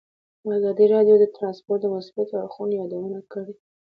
ازادي راډیو د ترانسپورټ د مثبتو اړخونو یادونه کړې.